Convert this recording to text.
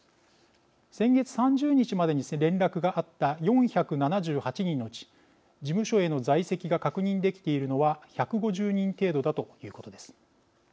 先月３０日までに連絡があった４７８人のうち事務所への在籍が確認できているのは１５０人程度だということです。